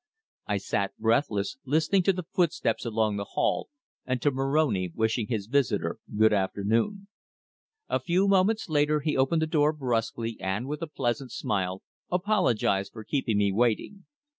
I sat breathless, listening to the footsteps along the hall, and to Moroni wishing his visitor good afternoon. A few moments later he opened the door brusquely and with a pleasant smile apologized for keeping me waiting.